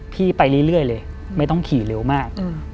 พี่ไปเรื่อยเรื่อยเลยไม่ต้องขี่เร็วมากอืม